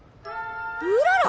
うらら！？